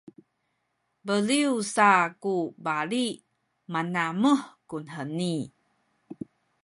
beliw sa ku bali manamuh kuheni